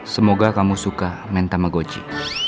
semoga kamu suka main tamagotchi